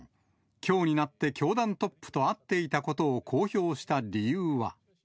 きょうになって教団トップと会っていたことを公表した理由は。